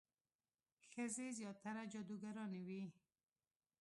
ښځې زیاتره جادوګرانې وي.